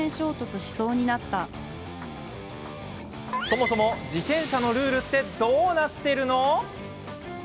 そもそも自転車のルールってどうなってるの？